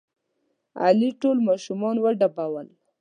علي ټول ماشومان وډبول.